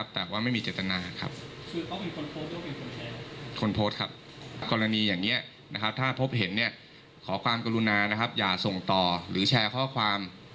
ถ้าพบเห็นขอความกรุณาอย่าส่งต่อหรือแชร์ข้อความ